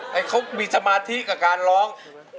พาพี่สมาธิกับกาลร้อง